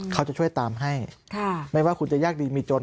เขาจะช่วยตามให้ไม่ว่าคุณจะยากดีมีจน